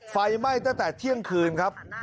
ไฟไหม้ตั้งแต่เที่ยงคืนครับ